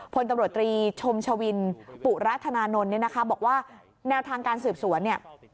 ผลตำรวจตรีชมชวินปุรัฐนานนท์บอกว่าแนวทางการสืบสวน